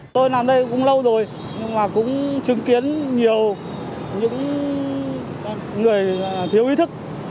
tôi làm đây cũng lâu rồi nhưng mà cũng chứng kiến nhiều những người thiếu ý thức